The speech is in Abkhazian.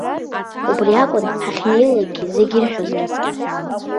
Убри акәын ҳахьнеилакгьы зегь ирҳәозгьы.